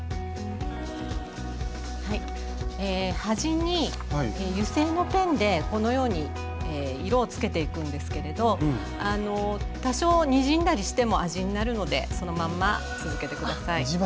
端に油性のペンでこのように色をつけていくんですけれど多少にじんだりしても味になるのでそのまんま続けて下さい。